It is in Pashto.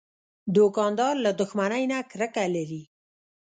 دوکاندار له دښمنۍ نه کرکه لري.